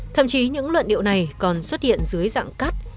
thậm chí những luận điệu này còn xuất hiện dưới dạng cắt